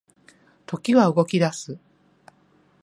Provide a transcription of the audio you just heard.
時は動き出す